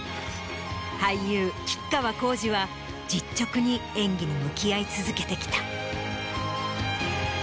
俳優吉川晃司は実直に演技に向き合い続けてきた。